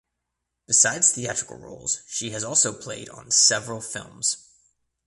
Besides theatrical roles she has also played on several films.